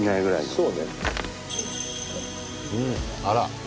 あら。